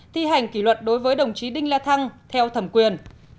thi hành kỷ luật đối với đồng chí đinh la thăng theo thẩm quyền